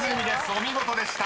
お見事でした］